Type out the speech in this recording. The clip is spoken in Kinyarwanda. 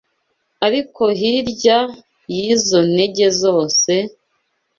ariko hirya y’izo nenge zose,